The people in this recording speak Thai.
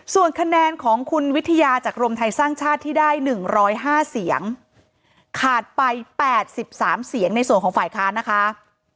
ส่วนคะแนนของคุณวิทยาจากรวมไทยสร้างชาติที่ได้๑๐๕เสียงขาดไป๘๓เสียงในส่วนของฝ่ายค้านนะคะ